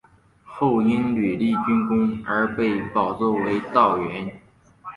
后因屡立军功而被保奏为道员。